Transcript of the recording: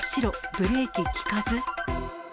ブレーキ利かず？